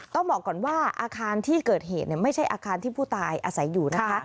ต้องบอกก่อนว่าอาคารที่เกิดเหตุไม่ใช่อาคารที่ผู้ตายอาศัยอยู่นะคะ